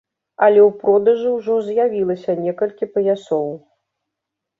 Але ў продажы ўжо з'явілася некалькі паясоў.